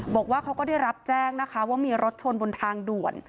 บอกว่าเขาก็ได้รับแจ้งนะคะว่ามีรถชนบนทางด่วน